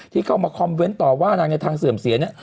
ที่เข้ามาคอมเมนต์ต่อว่านางในทางเสื่อมเสียเนี่ย